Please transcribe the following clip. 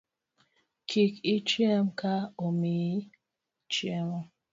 Kik ichiem ka omiyi chiemo